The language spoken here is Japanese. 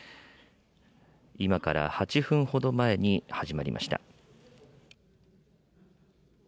今から８分ほど前に始まりました。